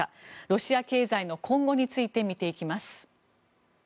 ロシア経済の今後について見ていきます。